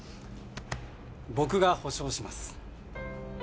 僕が保証します。